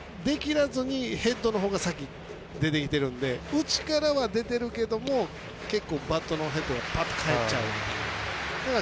それが出きらずにヘッドのほうが先に出てきてるので内からは出ているけれどもバットのヘッドがバッて返っちゃうので。